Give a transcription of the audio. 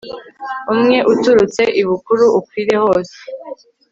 umwera uturutse i bukuru ukwire hose